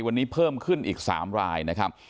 วันนี้เพิ่มขึ้นอีก๓รายนะครับ